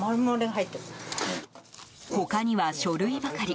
他には書類ばかり。